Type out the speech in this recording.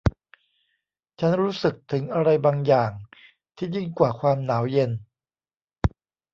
ฉันรู้สึกถึงอะไรบางอย่างที่ยิ่งกว่าความหนาวเย็น